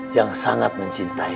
yang sangat mencintaimu